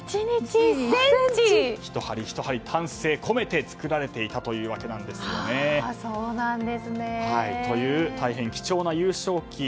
１針１針、丹精込めて作られていたというわけなんですね。という大変貴重な優勝旗。